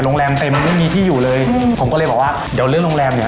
โรงแรมเต็มไม่มีที่อยู่เลยผมก็เลยบอกว่าเดี๋ยวเรื่องโรงแรมเนี้ย